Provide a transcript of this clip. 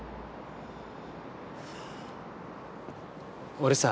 俺さ。